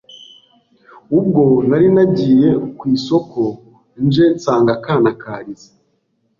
ubwo nari nagiye ku isoko nje nsanga akana karize